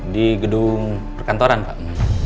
di gedung perkantoran pak